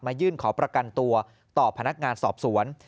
ยื่นขอประกันตัวต่อพนักงานสอบสวน